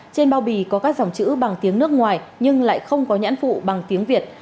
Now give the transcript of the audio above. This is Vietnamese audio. trên bao bì có các dòng chữ bằng tiếng nước ngoài nhưng lại không có nhãn phụ bằng tiếng việt